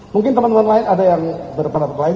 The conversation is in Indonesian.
mungkin teman teman lain ada yang berpendapat lain